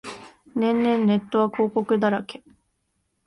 年々ネットは広告だらけ